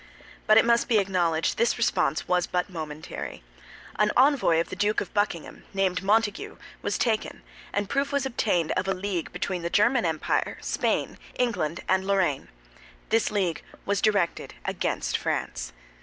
But it must be acknowledged, this response was but momentary. An envoy of the Duke of Buckingham, named Montague, was taken, and proof was obtained of a league between the German Empire, Spain, England, and Lorraine. This league was directed against France.